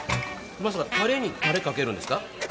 まさかタレにタレかけるんですか？